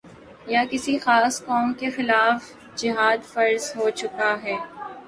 یا کسی خاص قوم کے خلاف جہاد فرض ہو چکا ہے